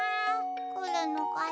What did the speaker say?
くるのかな？